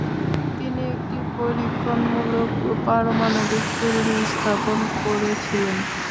তিনি একটি পরীক্ষণমূলক পারমাণবিক চুল্লী স্থাপন করেছিলেন।